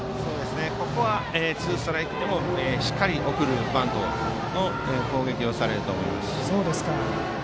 ここはツーストライクでもしっかり送るバントの攻撃をされると思います。